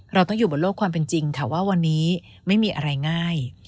เราต้องอยู่บนโลกความเป็นจริงค่ะว่าวันนี้ไม่มีอะไรง่าย